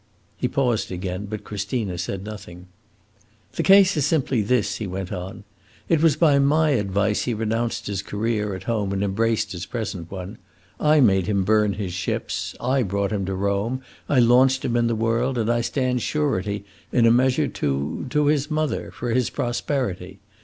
He paused again, but Christina said nothing. "The case is simply this," he went on. "It was by my advice he renounced his career at home and embraced his present one. I made him burn his ships. I brought him to Rome, I launched him in the world, and I stand surety, in a measure, to to his mother, for his prosperity.